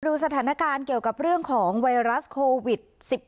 ดูสถานการณ์เกี่ยวกับเรื่องของไวรัสโควิด๑๙